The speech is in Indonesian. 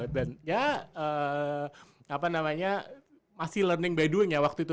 dan ya apa namanya masih learning by doing ya waktu itu